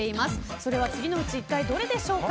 それは次のうち一体どれでしょうか。